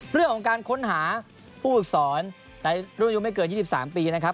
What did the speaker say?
เรื่องของการค้นหาผู้ฝึกสอนในรุ่นอายุไม่เกิน๒๓ปีนะครับ